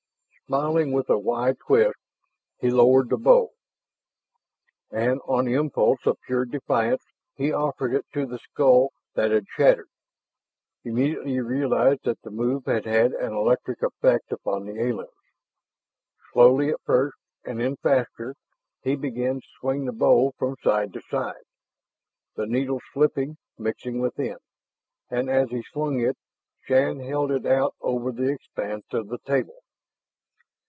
Smiling with a wry twist, he lowered the bowl, and on impulse of pure defiance he offered it to the skull that had chattered. Immediately he realized that the move had had an electric effect upon the aliens. Slowly at first, and then faster, he began to swing the bowl from side to side, the needles slipping, mixing within. And as he swung it, Shann held it out over the expanse of the table.